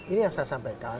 ini yang saya sampaikan